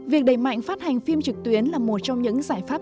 việc đẩy mạnh phát hành phim trực tuyến là một trong những giải pháp